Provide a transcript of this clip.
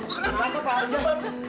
kenapa pak hamzah